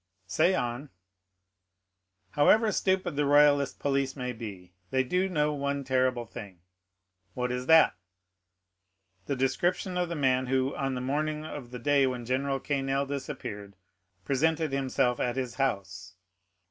"Say on." "However stupid the royalist police may be, they do know one terrible thing." "What is that?" "The description of the man who, on the morning of the day when General Quesnel disappeared, presented himself at his house."